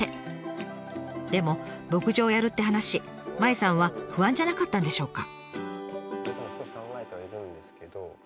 でも牧場をやるって話麻衣さんは不安じゃなかったんでしょうか？